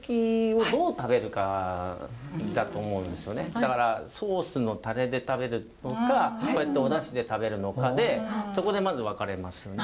だからソースのタレで食べるのかこうやってお出汁で食べるのかでそこでまず分かれますよね。